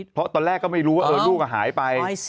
เพราะตอนแรกก็ไม่รู้ว่าลูกหายไป